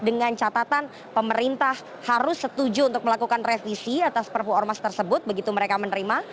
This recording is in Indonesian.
dengan catatan pemerintah harus setuju untuk melakukan revisi atas perpu ormas tersebut begitu mereka menerima